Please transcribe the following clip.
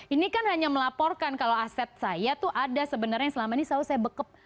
ini kan hanya melaporkan kalau aset saya tuh ada sebenarnya yang selama ini selalu saya bekep